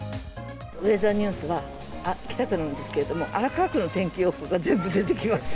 ウェザーニュースは北区なんですけども、荒川区の天気予報が全部出てきます。